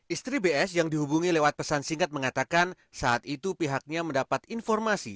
istri bs yang dihubungi lewat pesan singkat mengatakan saat itu pihaknya mendapat informasi